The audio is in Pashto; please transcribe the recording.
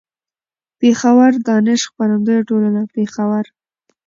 پېښور: دانش خپرندويه ټولنه، پېښور